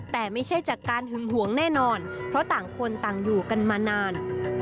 แต่ไม่ใช่จากการหึงหวงแน่นอนเพราะต่างคนต่างอยู่กันมานาน